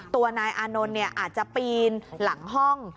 ตัวนายอานนท์อาจจะปีนหลังห้อง